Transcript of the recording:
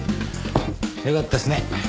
よかったですね。